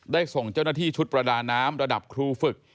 ส่งเจ้าหน้าที่ชุดประดาน้ำระดับครูฝึก